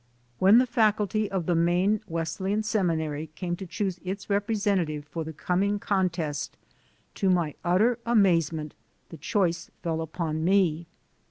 When the faculty of the Maine Wesleyan Semi nary came to choose its representative for the com ing contest, to my utter amazement, the choice fell upon me.